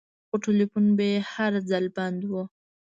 خو ټېلفون به يې هر ځل بند و.